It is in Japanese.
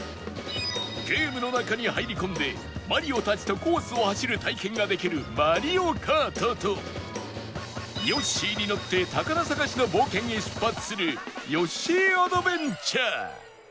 ゲームの中に入り込んでマリオたちとコースを走る体験ができるマリオカートとヨッシーに乗って宝探しの冒険へ出発するヨッシー・アドベンチャー